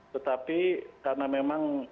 tetapi karena memang